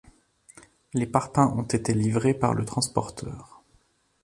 les parpaings ont été livrés par le transporteur